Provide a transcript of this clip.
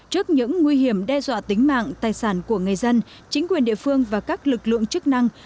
trước những nguy hiểm đe dọa tính mạng tài sản của người dân chính quyền địa phương và các lực lượng chức năng